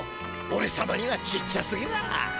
おれさまにはちっちゃすぎらあ。